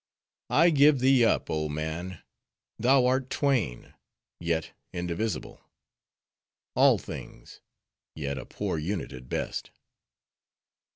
—I give thee up, oh Man! thou art twain—yet indivisible; all things—yet a poor unit at best."